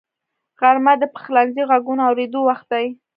غرمه د پخلنځي غږونو اورېدو وخت دی